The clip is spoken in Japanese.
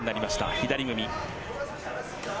左組み。